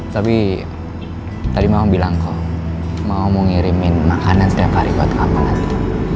tapi tadi mama bilang kok mama mau ngirimin makanan setiap hari buat kamu nanti